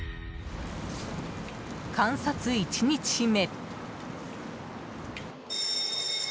観察１日目。